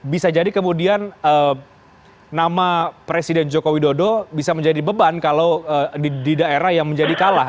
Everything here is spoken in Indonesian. bisa jadi kemudian nama presiden joko widodo bisa menjadi beban kalau di daerah yang menjadi kalah